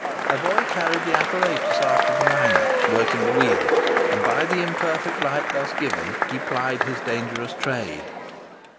A boy carried the apparatus after the miner, working the wheel, and by the imperfect light thus given forth he plied his dangerous trade.